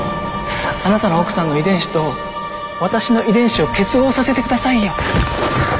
あなたの奥さんの遺伝子と私の遺伝子を結合させてくださいよ。